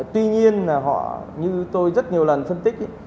tuy nhiên là họ như tôi rất nhiều lần phân tích ấy